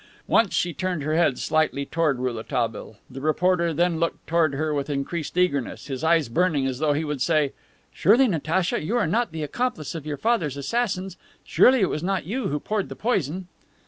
Once she turned her head slightly toward Rouletabille. The reporter then looked towards her with increased eagerness, his eyes burning, as though he would say: "Surely, Natacha, you are not the accomplice of your father's assassins; surely it was not you who poured the poison!"